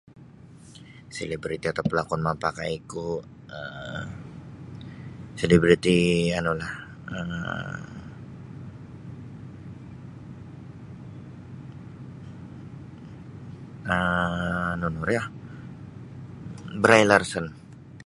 Selebriti atau palakun mapakaiku um selebriti anulah um nunu iri ah Brai Larson.